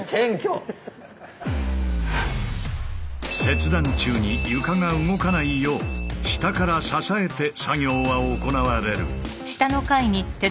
切断中に床が動かないよう下から支えて作業は行われる。